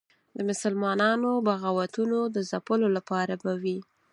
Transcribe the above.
د مسلمانانو بغاوتونو د ځپلو لپاره به وي.